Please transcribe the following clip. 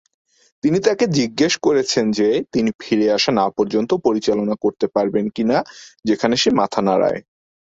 তিনি তাকে জিজ্ঞাসা করেছেন যে তিনি ফিরে না আসা পর্যন্ত পরিচালনা করতে পারবেন কিনা, যেখানে সে মাথা নাড়ায়।